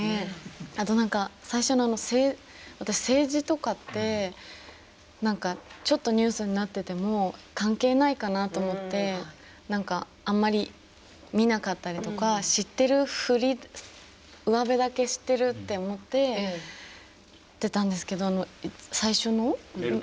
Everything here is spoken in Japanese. あと何か最初の私政治とかってちょっとニュースになってても関係ないかなと思ってあんまり見なかったりとか知ってるふりうわべだけ知ってるって思ってたんですけど最初のメルケルさんの。